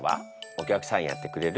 お客さんやってくれる？